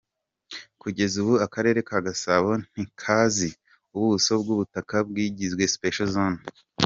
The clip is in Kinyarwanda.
Kugeza ubu, Akarere ka Gasabo ntikazi ubuso bw’ubutaka bwagizwe ‘Special zone.